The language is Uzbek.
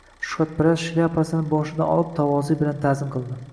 Shuhratparast shlyapasini boshidan olib, tavoze bilan ta’zim qildi.